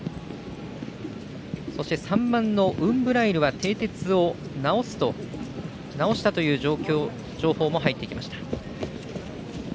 そして、３番ウンブライルはてい鉄を直したという情報も入ってきました。